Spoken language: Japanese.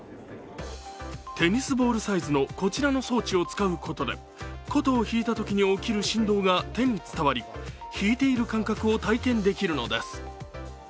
テニスボールサイズのこちらの装置を使うことで琴を弾いたときに起きる振動が手に伝わり、弾いている感覚を体験できるのです。